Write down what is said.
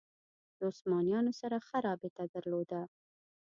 له عثمانیانو سره ښه رابطه درلوده